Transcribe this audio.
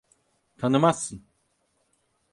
Tanımazsın.